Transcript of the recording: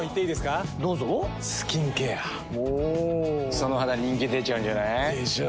その肌人気出ちゃうんじゃない？でしょう。